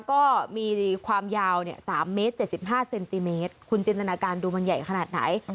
ก็มีความยาว๓เมตร๗๕เซนติเมตรคุณจินตนาการดูมันใหญ่ขนาดไหน